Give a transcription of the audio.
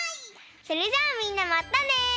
それじゃあみんなまたね！